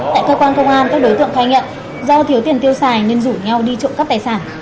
tại cơ quan công an các đối tượng khai nhận do thiếu tiền tiêu xài nên rủ nhau đi trộm cắp tài sản